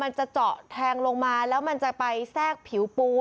นั่นสิ